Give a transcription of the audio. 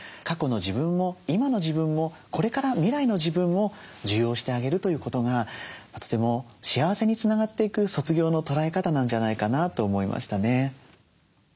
過去の自分も今の自分もこれから未来の自分も受容してあげるということがとても幸せにつながっていく卒業の捉え方なんじゃないかなと思いましたね。